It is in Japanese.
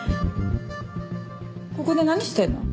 ここで何してるの？